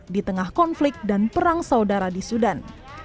di tengah konflik dan perang saudara di sudan